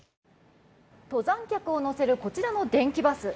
登山客を乗せるこちらの電気バス。